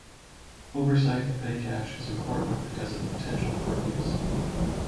Oversight of petty cash is important because of the potential for abuse.